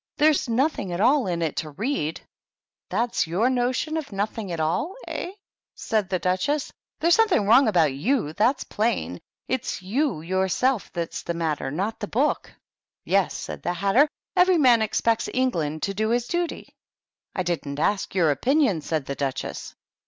There's nothing at all in it to ready " That's your notion of ' nothing at all, hey ?" said the Duchess. "There's something wrong about youj that's plain. It's you yourself that's the matter, not the book." "Yes," said the Hatter, "every man expects England to do his duty." "I didn't ask your opinion," said the Duch ess.